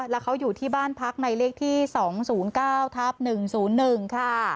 แล้วเขาอยู่ที่บ้านพักในเลขที่๒๐๙ทับ๑๐๑ค่ะ